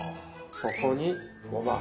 そこにごま油。